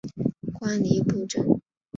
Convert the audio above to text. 观礼部政。